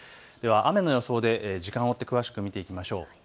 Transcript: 雨の予想で時間を追って詳しく見ていきましょう。